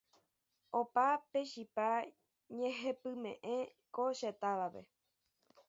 opa pe chipa ñehepyme'ẽ ko che távape